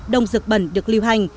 đông dược bẩn được lưu hành